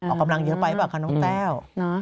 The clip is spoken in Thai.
ออกกำลังเยอะไปป่ะค่ะน้องแต้ว